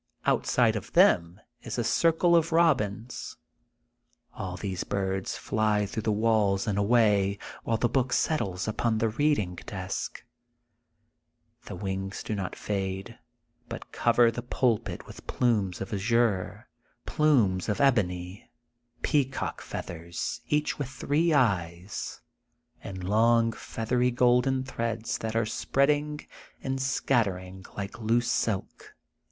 Outside of them is a circle of robins. All these birds fly through the walls and away, while the book settles upon the reading desk. The wings do not fadCjj but cover the pulpit with plumes of azure, plumes of ebony, peacock feathers. THE GOLDEN BOOK OF SPRINGFIELD 87 each with three eyes, and long feathery golden threads that are spreading and scattering like loose silk.